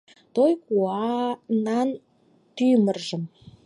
Той кутанан тӱмыржым